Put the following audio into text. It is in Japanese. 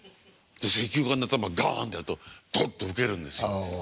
石油缶で頭ガンってやるとドッとウケるんですよ。